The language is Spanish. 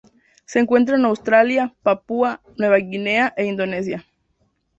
Se encuentra en Australia, Papúa Nueva Guinea e Indonesia.